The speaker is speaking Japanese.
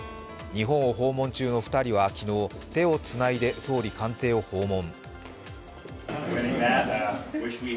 日本を訪問中の２人は昨日、手をつないで総理官邸を訪問。